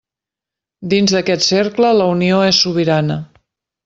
Dins d'aquest cercle, la Unió és sobirana.